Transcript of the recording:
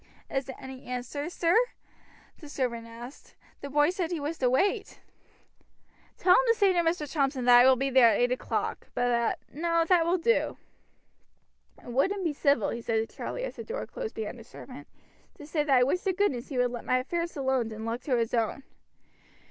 "Is there any answer, sir?" the servant asked. "The boy said he was to wait." "Tell him to say to Mr. Thompson that I will be there at eight o'clock; but that no, that will do. "It wouldn't be civil," he said to Charlie as the door closed behind the servant, "to say that I wish to goodness he would let my affairs alone and look to his own."